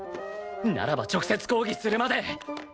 ならば直接抗議するまで。